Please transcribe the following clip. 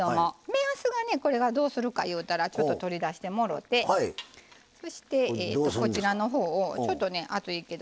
目安がねこれがどうするかいうたらちょっと取り出してもろうてそしてこちらのほうをちょっとね熱いけど手でピュッと。